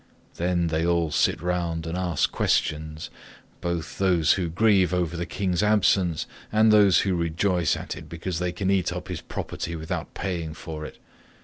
Then they all sit round and ask questions, both those who grieve over the king's absence, and those who rejoice at it because they can eat up his property without paying for it.